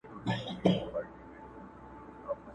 پر ملا کړوپ عمر خوړلی!